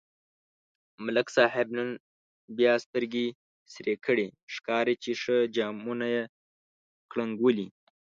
ملک صاحب نن بیا سترگې سرې کړي، ښکاري چې ښه جامونه یې کړنگولي.